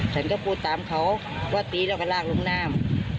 ฉันก็พูดตามเขาว่าตีแล้วก็ลากลงน้ำ